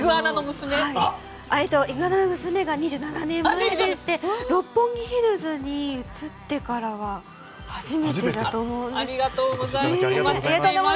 「イグアナの娘」が２７年ぶりでして六本木ヒルズに移ってからは初めてだと思うんです。